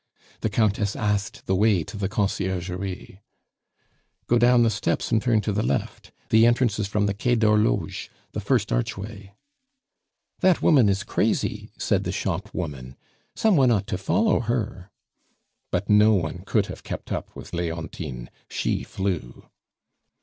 The Countess asked the way to the Conciergerie. "Go down the steps and turn to the left. The entrance is from the Quai de l'Horloge, the first archway." "That woman is crazy," said the shop woman; "some one ought to follow her." But no one could have kept up with Leontine; she flew.